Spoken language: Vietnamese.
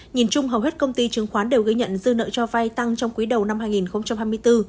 nhìn chung hầu hết công ty chứng khoán đều gây nhận dư nợ cho vay tăng trong quý đầu năm hai nghìn hai mươi bốn